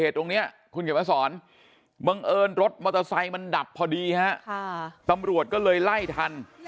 ตำรวจก็เลยไล่ทัน